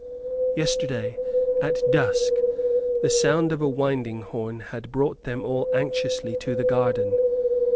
Yesterday, at dusk, the sound of a winding horn had brought them all anxiously to the garden.